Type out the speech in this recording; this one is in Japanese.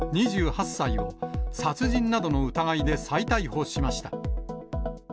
２８歳を殺人などの疑いで再逮捕しました。